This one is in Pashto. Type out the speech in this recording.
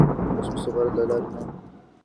رسمي سفارت له لارې نه.